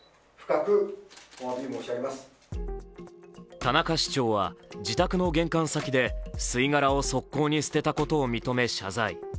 田中市長は自宅の玄関先で吸い殻を側溝に捨てたことを認め謝罪。